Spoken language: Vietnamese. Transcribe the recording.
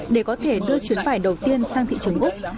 để có thể đưa chuyến vải đầu tiên sang thị trường úc